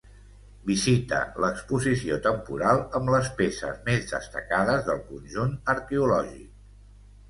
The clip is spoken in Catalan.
Visita l'Exposició temporal amb les peces més destacades del conjunt arqueològic.